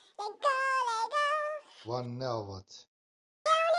Wan neavêt.